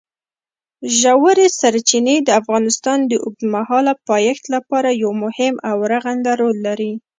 ژورې سرچینې د افغانستان د اوږدمهاله پایښت لپاره یو مهم او رغنده رول لري.